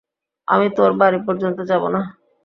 আমি তোর বাড়ি পর্যন্ত যাব না।